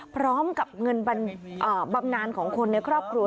พร้อมกับเงินบำนานของคนในครอบครัว